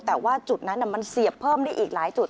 แต่ว่าจุดนั้นมันเสียบเพิ่มได้อีกหลายจุด